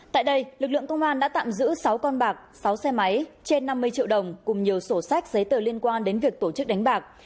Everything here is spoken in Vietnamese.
tại đây lực lượng công an đã tạm giữ sáu con bạc sáu xe máy trên năm mươi triệu đồng cùng nhiều sổ sách giấy tờ liên quan đến việc tổ chức đánh bạc